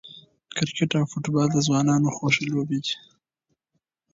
کرکټ او فوټبال د ځوانانو خوښې لوبې دي.